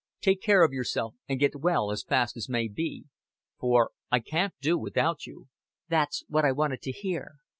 Take care of yourself, and get well as fast as may be. For I can't do without you." "That's what I wanted to hear."